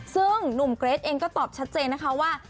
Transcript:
ซึ่งหนุ่มเกรทเองก็ตอบชัดเจนนะคะว่า